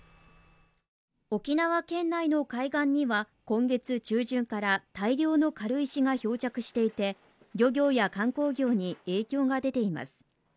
沖縄県内の海岸には今月中旬から大量の軽石が漂着していて、漁業や観光業に影響が出ています。